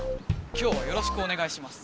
今日はよろしくおねがいします。